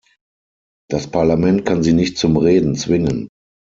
Das Parlament kann sie nicht zum Reden zwingen.